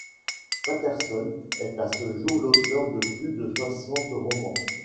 Patterson est à ce jour l'auteur de plus de soixante romans.